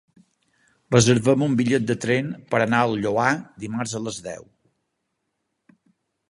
Reserva'm un bitllet de tren per anar al Lloar dimarts a les deu.